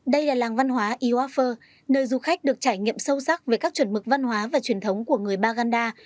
đây là làng văn hóa iwafi nơi du khách được trải nghiệm sâu sắc về các chuẩn mực văn hóa và truyền thống của người baganda